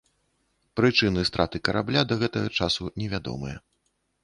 Прычыны страты карабля да гэтага часу невядомыя.